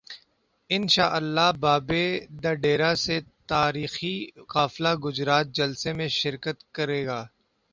انشا ءاللہ بابے دا ڈیرہ سے تا ریخی قافلہ گجرات جلسہ میں شر کت کر ے گا